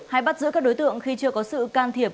hay bắt giữ các đối tượng khi chưa có sự can thiệp